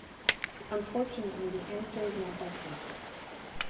Unfortunately, the answer is not that simple.